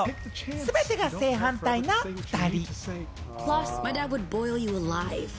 すべてが正反対な２人。